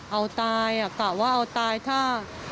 เอาตายกะว่าเอาตายถ้า